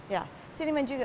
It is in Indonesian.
ya seni man juga